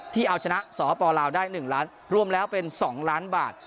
ที่เอาชนะสอปราเอาได้หนึ่งล้านรวมแล้วเป็นสองล้านบาท